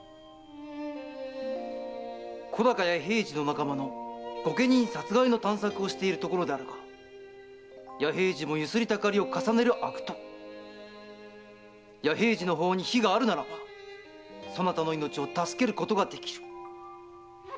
小高弥平次の仲間の御家人殺害の探索をしているところであるが弥平次も強請たかりを重ねる悪党弥平次の方に非があるならばそなたの命を助けることができる。